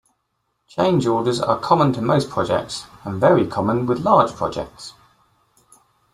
Change orders are common to most projects, and very common with large projects.